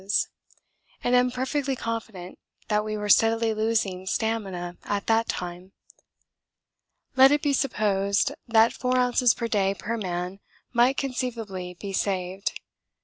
and am perfectly confident that we were steadily losing stamina at that time. Let it be supposed that 4 oz. per day per man might conceivably be saved.